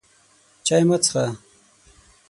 چای مه څښه!